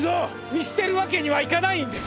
見捨てるわけにはいかないんです